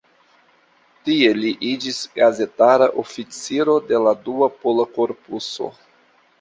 Tie li iĝis gazetara oficiro de la Dua Pola Korpuso.